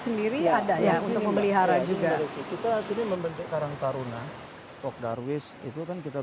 sendiri ada ya untuk memelihara juga kita sini membentuk karang taruna pok darwis itu kan kita